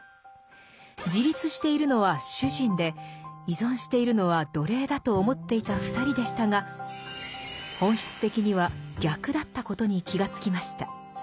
自立しているのは主人で依存しているのは奴隷だと思っていた２人でしたが本質的には逆だったことに気が付きました。